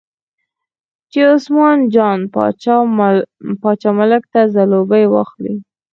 چې عثمان جان باچا ملک ته ځلوبۍ واخلي.